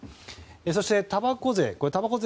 そして、たばこ税。